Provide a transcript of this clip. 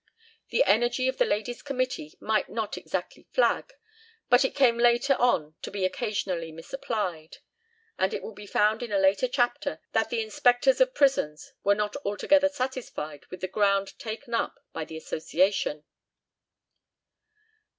The energy of the Ladies' Committee might not exactly flag, but it came later on to be occasionally misapplied. And it will be found in a later chapter, that the inspectors of prisons were not altogether satisfied with the ground taken up by the association.